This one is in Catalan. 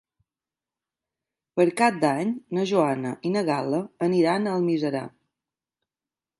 Per Cap d'Any na Joana i na Gal·la aniran a Almiserà.